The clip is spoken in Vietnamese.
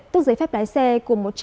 tức giấy phép lái xe